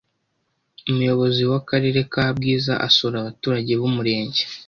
Umuyobozi w’ Akarere ka Bwiza asura abaturage b’Umurenge